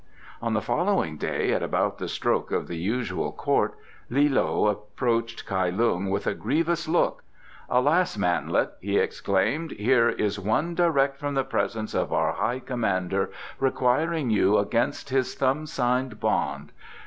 On the following day, at about the stroke of the usual court, Li loe approached Kai Lung with a grievous look. "Alas, manlet," he exclaimed, "here is one direct from the presence of our high commander, requiring you against his thumb signed bond.